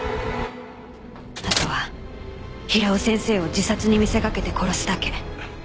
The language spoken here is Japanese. あとは平尾先生を自殺に見せかけて殺すだけ。